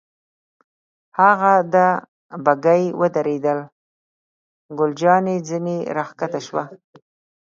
هاغه ده، بګۍ ودرېدل، ګل جانې ځنې را کښته شوه.